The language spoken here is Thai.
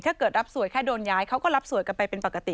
ถ้าเกิดรับสวยแค่โดนย้ายเขาก็รับสวยกันไปเป็นปกติ